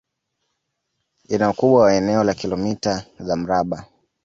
Ina ukubwa wa eneo la kilomita za mraba